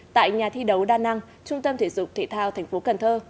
tại nhà thi đấu đa năng trung tâm thể dục thể thao tp cn